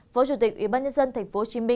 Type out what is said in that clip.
phó chủ tịch ủy ban nhân dân tp hcm